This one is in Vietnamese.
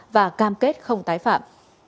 và cam kết không tái phạm